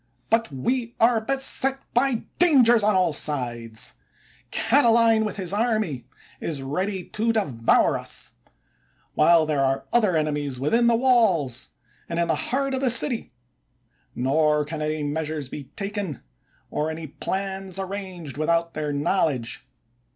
But we are beset by dangers on all sides ; Catiline, with his army, is ready to devour us ; while there are other ene mies within the walls, and in the heart of the city; nor can any measures be taken, or any plans arranged, without their knowledge.